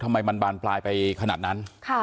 ทำไมมันบานปลายไปขนาดนั้น